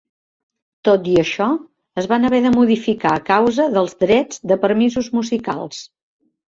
Tot i això, es van haver de modificar a causa dels drets de permisos musicals.